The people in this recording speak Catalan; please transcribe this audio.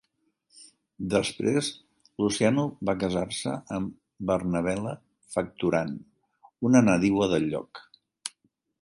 Després Luciano va casar-se amb Bernabela Facturan, una nadiua del lloc.